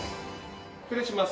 失礼します。